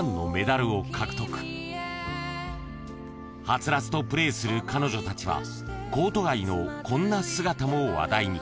［はつらつとプレーする彼女たちはコート外のこんな姿も話題に］